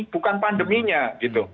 bukan pandeminya gitu